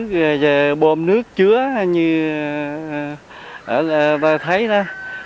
về bôm nước chứa như ta thấy đó